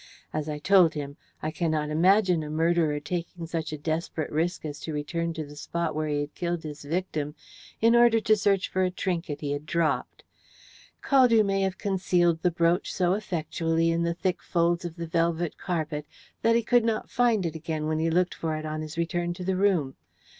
As I told him, I cannot imagine a murderer taking such a desperate risk as to return to the spot where he had killed his victim, in order to search for a trinket he had dropped. Caldew may have concealed the brooch so effectually in the thick folds of the velvet carpet that he could not find it again when he looked for it on his return to the room.